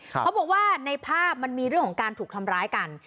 เขาบอกว่าในภาพมันมีเรื่องของการถูกทำร้ายกัน